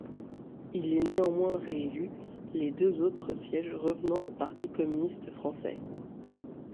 Il est néanmoins réélu, les deux autres sièges revenant au Parti communiste français.